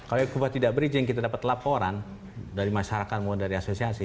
kalau tidak bridging kita dapat laporan dari masyarakat mau dari asosiasi